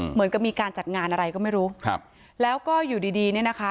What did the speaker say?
เหมือนกับมีการจัดงานอะไรก็ไม่รู้ครับแล้วก็อยู่ดีดีเนี่ยนะคะ